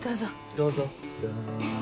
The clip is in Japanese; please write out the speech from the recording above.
どうぞ。